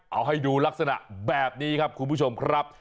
เอาให้ดูลักษณะแบบนี้ครับคุณผู้ชมครับ